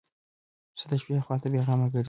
پسه د شپې خوا ته بېغمه ګرځي.